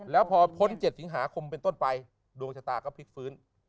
แล้วพอพ้น๗สิงหาคมเป็นต้นไปดวงชะตาก็พลิกฟื้น